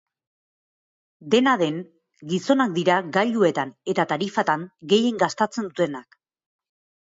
Dena den, gizonak dira gailuetan eta tarifatan gehien gastatzen dutenak.